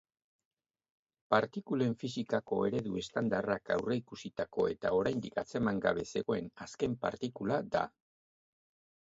Partikulen fisikako eredu estandarrak aurreikusitako eta oraindik atzeman gabe zegoen azken partikula da.